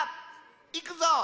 いくぞ！